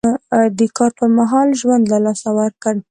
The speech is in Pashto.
د کار پر مهال ژوند له لاسه ورکړ.